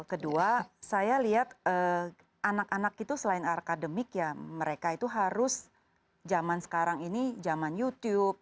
kedua saya lihat anak anak itu selain akademik ya mereka itu harus zaman sekarang ini zaman youtube